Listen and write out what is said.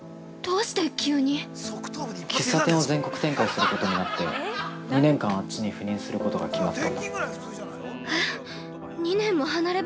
喫茶店を全国展開することになって、２年間あっちに赴任することが決まった。